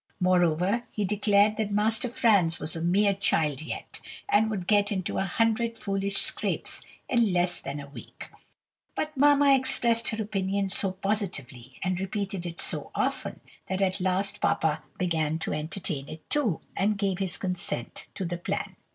Moreover, he declared that Master Franz was a mere child yet, and would get into a hundred foolish scrapes in less than a week; but mamma expressed her opinion so positively, and repeated it so often, that at last papa began to entertain it too, and gave his consent to the plan.